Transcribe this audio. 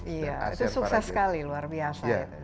iya itu sukses sekali luar biasa ya